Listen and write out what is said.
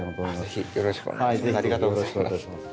ぜひよろしくお願いいたします。